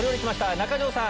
中条さん。